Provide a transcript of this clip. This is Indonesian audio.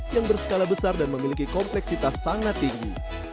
yang berskala besar dan memiliki kompleksitas sangat tinggi